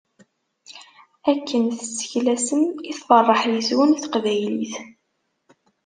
Akken tesseklasem i tferreḥ yes-wen teqbaylit.